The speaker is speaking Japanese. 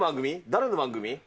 誰の番組？